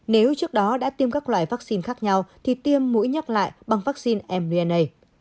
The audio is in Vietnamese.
nếu trước đó đã tiêm các loại vaccine khác nhau thì tiêm mũi nhắc lại bằng vaccine mnna